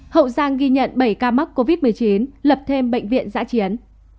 hậu giang ghi nhận bảy ca mắc covid một mươi chín lập thêm bệnh viện giã chiến